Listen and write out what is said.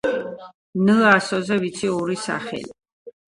ნ ასოზე ვიცი ორი სახელი